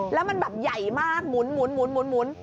แล้วมันแบบใหญ่มากหมุน